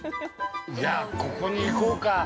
◆じゃあ、ここに行こうか。